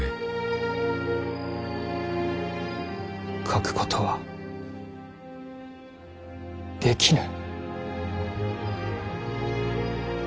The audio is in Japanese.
書くことはできぬ。